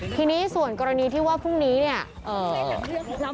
ทีนี้ส่วนกรณีที่ว่าพรุ่งนี้เนี่ย